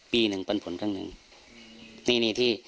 ปีหนึ่งปันผลข้างหนึ่งนี่ที่